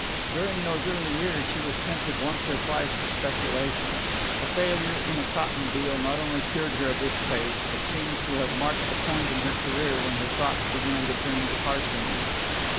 During those early years she was tempted once or twice to speculation. A failure in a cotton deal not only cured her of this taste, but seems to have marked the point in her career when her thoughts began to turn to parsimony.